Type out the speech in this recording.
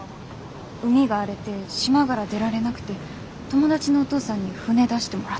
海が荒れて島がら出られなくて友達のお父さんに船出してもらって。